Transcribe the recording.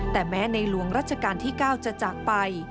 แต่แม้ในหลวงรัชกาลที่๙จะจากไป